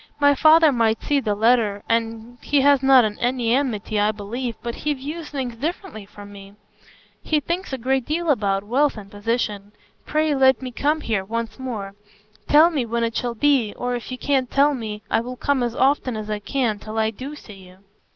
My father might see the letter—and—he has not any enmity, I believe, but he views things differently from me; he thinks a great deal about wealth and position. Pray let me come here once more. Tell me when it shall be; or if you can't tell me, I will come as often as I can till I do see you."